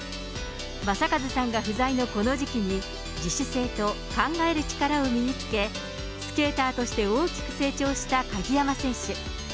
正和さんが不在のこの時期に、自主性と考える力を身につけ、スケーターとして大きく成長した鍵山選手。